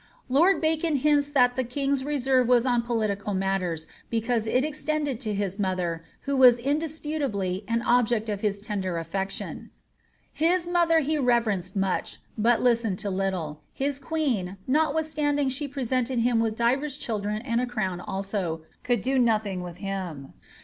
Lord Bacon hints that the king's reserve was on political matters, be» euise it extended to his mother, who was indisputably an object of his tender aflection. ^His mother he reverenced much, bat listened to little. His queen, notwithstanding she presented him with divers children and I crown also, could do nothing with him.